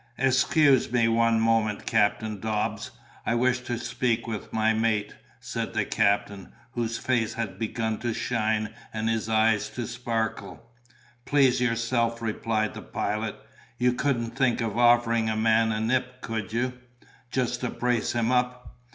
"Excuse me one moment, Captain Dobbs. I wish to speak with my mate," said the captain, whose face had begun to shine and his eyes to sparkle. "Please yourself," replied the pilot. "You couldn't think of offering a man a nip, could you? just to brace him up.